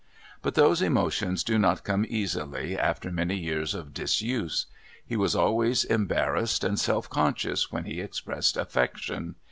But those emotions do not come easily after many years of disuse; he was always embarrassed and self conscious when he expressed affection.